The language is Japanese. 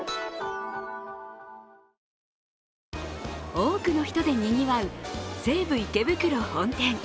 多くの人でにぎわう西武池袋本店。